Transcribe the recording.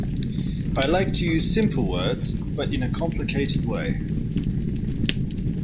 I like to use simple words, but in a complicated way.